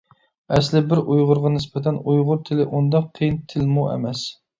ئەسلى بىر ئۇيغۇرغا نىسبەتەن، ئۇيغۇر تىلى ئۇنداق قىيىن تىلمۇ ئەمەس.